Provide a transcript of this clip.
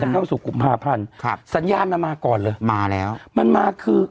เข้าสู่กุมภาพันธ์ครับสัญญาณมันมาก่อนเลยมาแล้วมันมาคือ